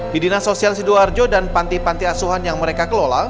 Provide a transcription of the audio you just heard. di dinas sosial sidoarjo dan panti panti asuhan yang mereka kelola